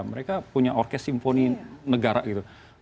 mereka punya orkes simfoni negara gitu